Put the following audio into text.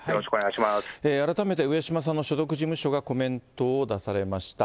改めて、上島さんの所属事務所がコメントを出されました。